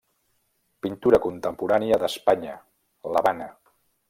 Pintura contemporània d'Espanya, l'Havana.